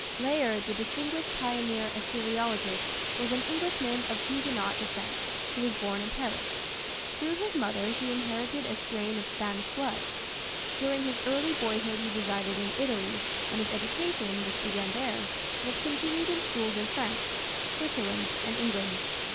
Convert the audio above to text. Layard, the distinguished pioneer Assyriologist, was an Englishman of Huguenot descent, who was born in Paris. Through his mother he inherited a strain of Spanish blood. During his early boyhood he resided in Italy, and his education, which began there, was continued in schools in France, Switzerland, and England.